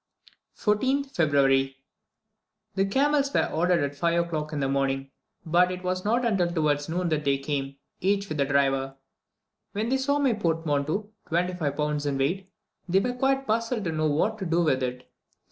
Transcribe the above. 14TH February. The camels were ordered at 5 o'clock in the morning, but it was not until towards noon that they came, each with a driver. When they saw my portmanteau (twenty five pounds in weight), they were quite puzzled to know what to do with it.